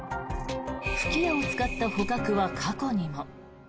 吹き矢を使った捕獲は過去にも。